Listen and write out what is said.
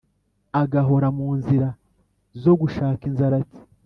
agahora mu nzira zo gushaka inzaratsi